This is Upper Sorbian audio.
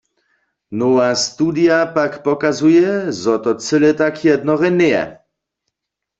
Nowa studija pak pokazuje, zo to cyle tak jednore njeje.